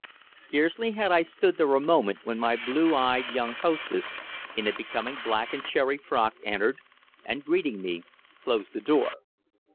Scarcely had I stood there a moment when my blue eyed young hostess, in a becoming black and cherry frock, entered, and greeting me, closed the door.